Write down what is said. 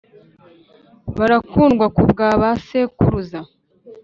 Rm barakundwa ku bwa ba sekuruza